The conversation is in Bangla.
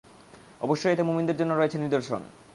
অবশ্যই এতে মুমিনদের জন্যে রয়েছে নিদর্শন।